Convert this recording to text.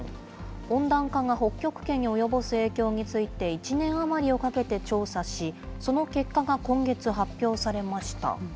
温暖化が北極圏に及ぼす影響について、１年余りをかけて調査し、その結果が今月発表されました。